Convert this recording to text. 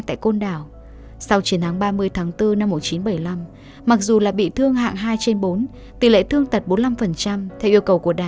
tại côn đảo sau chiến thắng ba mươi tháng bốn năm một nghìn chín trăm bảy mươi năm mặc dù là bị thương hạng hạ tử tử tử tử tử tử tử tử tử